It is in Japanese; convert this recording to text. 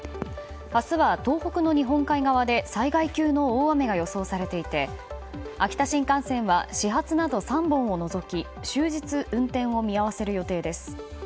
明日は東北の日本海側で災害級の大雨が予想されていて秋田新幹線は始発など３本を除き終日、運転を見合わせる予定です。